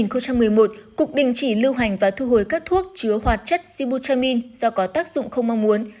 năm hai nghìn một mươi một cục đình chỉ lưu hành và thu hồi các thuốc chứa hoạt chất sibutamin do có tác dụng không mong muốn